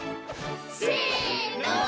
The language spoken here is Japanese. せの。